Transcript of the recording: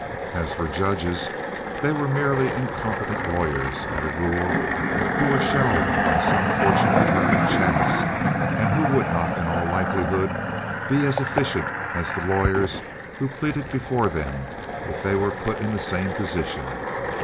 As for judges, they were merely incompetent lawyers, at a rule, who were shelved by some fortunate turn of chance, and who would not, in all likelihood, be as efficient as the lawyers who pleaded before them if they were put in the same position.